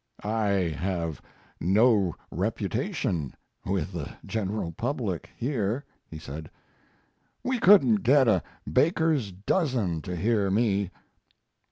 "I have no reputation with the general public here," he said. "We couldn't get a baker's dozen to hear me."